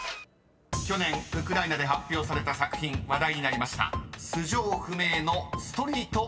［去年ウクライナで発表された作品話題になりました］